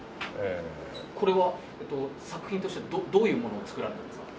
これは作品としてはどういうものを作られたんですか？